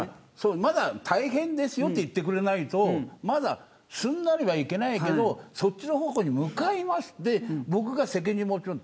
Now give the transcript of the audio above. まだ大変ですよと言ってくれないとまだ、すんなりはいけないけどそっちの方向に向かいますと僕が責任持ちます。